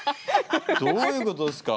どういうことですか？